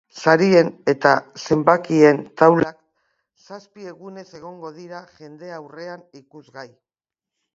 Sarien eta zenbakien taulak zazpi egunez egongo dira jendaurrean ikusgai.